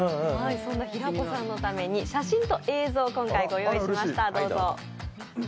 平子さんのために写真と映像をご用意しました。